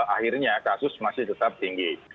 akhirnya kasus masih tetap tinggi